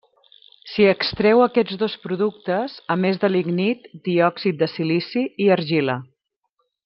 S'hi extreu aquests dos productes, a més de lignit, diòxid de silici i argila.